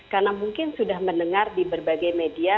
karena mungkin sudah mendengar di berbagai media